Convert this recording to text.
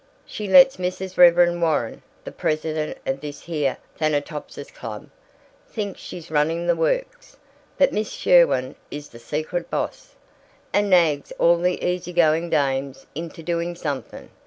She lets Mrs. Reverend Warren, the president of this here Thanatopsis Club, think she's running the works, but Miss Sherwin is the secret boss, and nags all the easy going dames into doing something.